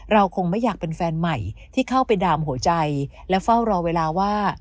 เราคงไม่อยากเป็นแฟนใหม่ที่เข้าไปดามหัวใจและเฝ้ารอเวลาว่า